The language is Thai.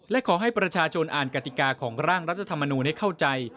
และขอให้ประชาชนอ่านกติกาของร่างรัฐธรรมนูลให้เข้าใจ